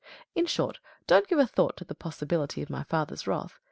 In short, don't give a thought to the possibility of my father's wrath.